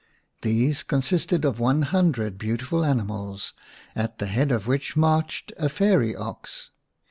These consisted of one hundred beautiful animals, at the head of which marched a fairy ox.